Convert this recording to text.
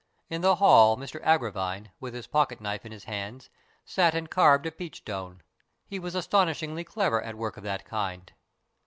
In the hall Mr Agravine, with his pocket knife in his hands, sat and carved a peach stone ; he was astonishingly clever at work of that kind.